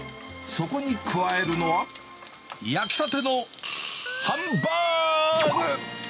そこに加えるのは、焼きたてのハンバーグ。